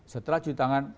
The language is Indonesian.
setelah cuci tangan